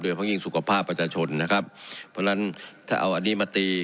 เพราะยิ่งสุขภาพประชาชนนะครับเพราะฉะนั้นถ้าเอาอันนี้มาตี